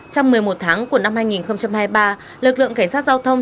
trong một mươi một tháng của năm hai nghìn hai mươi ba lực lượng cảnh sát giao thông